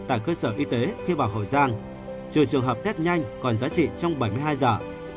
tại cơ sở y tế khi vào hậu giang trừ trường hợp test nhanh còn giá trị trong bảy mươi hai giờ